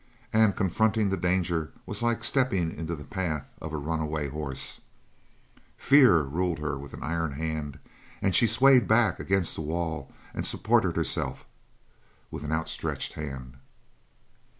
And confronting the danger was like stepping into the path of runaway horses. Fear ruled her with an iron hand, and she swayed back against the wall and supported herself with an outstretched hand.